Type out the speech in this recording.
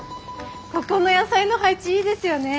ここの野菜の配置いいですよね！